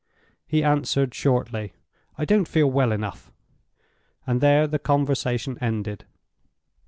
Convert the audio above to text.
He answered, shortly, "I don't feel well enough"; and there the conversation ended.